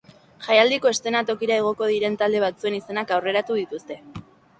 Jaialdiko eszenatokira igoko diren talde batzuen izenak aurreratu dituzte.